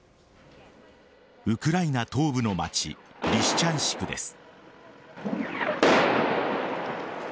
ウクライナ東部の町リシチャンシクです。